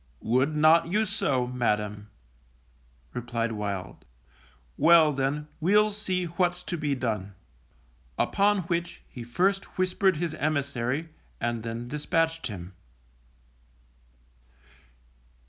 Would not you so, Madam_, replied Wild. Well, then, we'll see what's to be done. Upon which he first whispered his emissary, and then dispatched him.